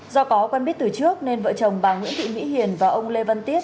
do có quen biết từ trước nên vợ chồng bà nguyễn thị mỹ hiền và ông lê văn tiết